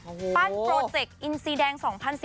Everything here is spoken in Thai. ปั้นโปรเจกต์อินซีแดง๒๐๑๘